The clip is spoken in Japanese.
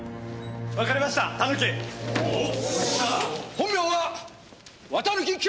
本名は綿貫清！